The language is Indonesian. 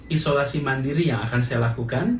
isolasi mandiri yang akan saya lakukan